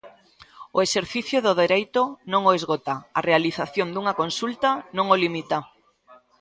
O exercicio do dereito non o esgota, a realización dunha consulta non o limita.